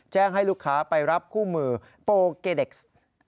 ให้ลูกค้าไปรับคู่มือโปเกเด็กซ์